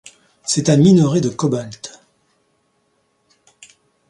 C'est un minerai de cobalt.